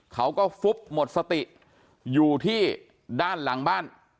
ฟุบหมดสติอยู่ที่ด้านหลังบ้าน